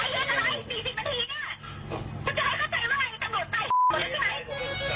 นานควรช่ายกัน